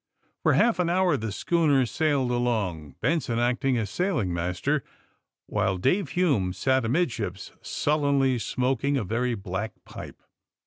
For half an hour the schooner sailed along, Benson acting as sailing master, while Dave Hume sat amidships, sullenly smoking a very black pipe.